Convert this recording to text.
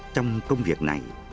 trong công việc này